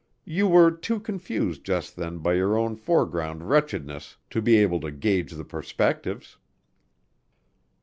You were too confused just then by your own foreground wretchedness to be able to gauge the perspectives."